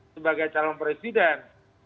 sebagai calon presiden